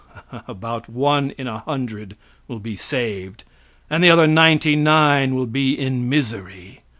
About one in a hundred will be saved, and the other ninety nine will be in misery.